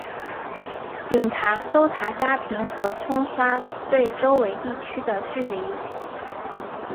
警察搜查家庭和冲刷对周围地区的距离。